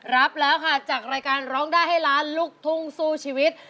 รับแล้วค่ะจากรายการร้องได้ให้ล้านลูกทุ่งสู้ชีวิต